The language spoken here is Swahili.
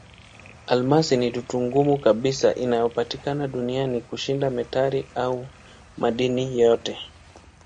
Almasi ni dutu ngumu kabisa inayopatikana duniani kushinda metali au madini yote.